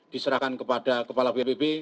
diserahkan kepada kepala bnpb